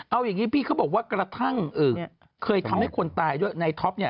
เอาอย่างนี้พี่เขาบอกว่ากระทั่งเคยทำให้คนตายด้วยในท็อปเนี่ย